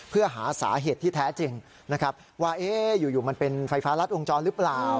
เพื่อหาสาเหตุที่แท้จริงนะครับว่าอยู่มันเป็นไฟฟ้ารัดวงจรหรือเปล่า